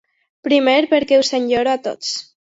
Primer, perquè us enyoro a tots.